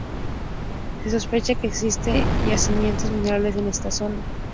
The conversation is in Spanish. Se sospecha que existen yacimientos minerales en esta zona.